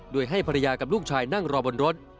โดยให้ภรรยากับลูกชายนั่งรอบนรถ